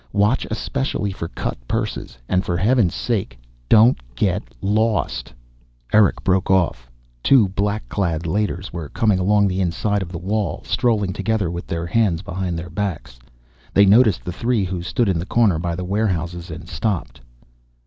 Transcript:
Watch especially for cut purses, and for heaven's sake, don't get lost." Erick broke off. Two black clad Leiters were coming along the inside of the wall, strolling together with their hands behind their backs. They noticed the three who stood in the corner by the warehouses and stopped.